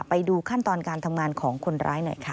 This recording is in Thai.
ไปดูขั้นตอนการทำงานของคนร้ายหน่อยค่ะ